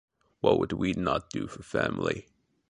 What would we not do for family?